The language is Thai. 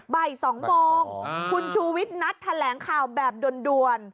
บ่าย๒โมงคุณชูวิทย์นัดแถลงข่าวแบบด่วน